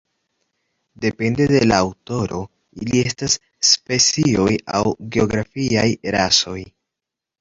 Depende de la aŭtoro ili estas specioj aŭ geografiaj rasoj.